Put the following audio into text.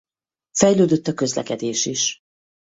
Fejlődött a közlekedés is.